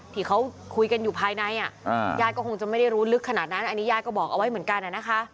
ที่เขาคุยกันอยู่ภายในญาติก็คงจะไม่ได้รู้ลึกขนาดนั้นอันนี้ญาติก็บอกเอาไว้เหมือนกันนะคะ